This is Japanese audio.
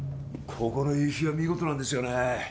ここの夕日は見事なんですよね